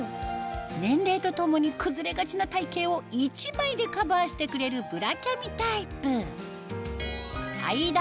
年齢とともに崩れがちな体形を１枚でカバーしてくれるブラキャミタイプ